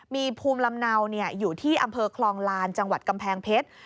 มีภูมิลำเนาอยู่ที่อำเภอคลองลานจังหวัดกำแพงเพชร